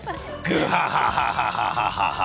グハハハ！